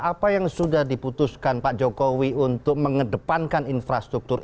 apa yang sudah diputuskan pak jokowi untuk mengedepankan infrastruktur